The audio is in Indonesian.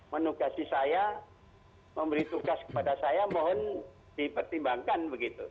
menugasi saya memberi tugas kepada saya mohon dipertimbangkan begitu